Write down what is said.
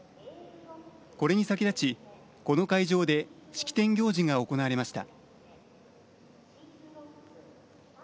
これに先立ち、この会場で式典行事が行われました。